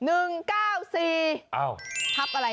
เอ้าเอ้อ